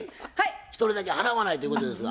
一人だけ払わないということですが。